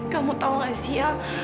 kamu tahu gak sih al